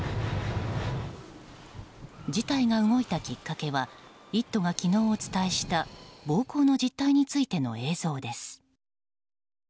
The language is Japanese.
事態が動いたきっかけは「イット！」が昨日お伝えした暴行の実態についての映像です。